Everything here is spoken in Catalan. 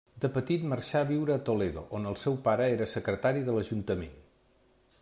De petit marxà a viure a Toledo, on el seu pare era secretari de l'ajuntament.